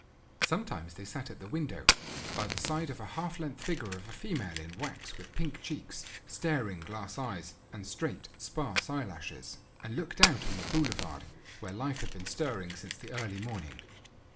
Sometimes they sat at the window, by the side of a half length figure of a female in wax with pink cheeks, staring glass eyes, and straight sparse eyelashes, and looked out on the boulevard, where life had been stirring since the early morning.